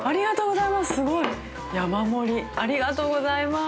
◆ありがとうございます。